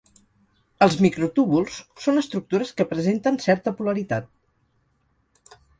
Els microtúbuls són estructures que presenten certa polaritat.